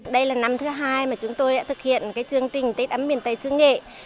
đây là năm thứ hai mà chúng tôi đã thực hiện chương trình tết ấm biển tây sư nghệ